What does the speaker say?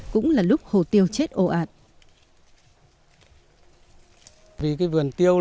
cũng là lúc hồ tiêu chết ồ ạt